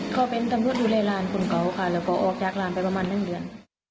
เขาเป็นตำรวจดูแลหลานคนเก่าค่ะแล้วก็ออกจากร้านไปประมาณ๑เดือน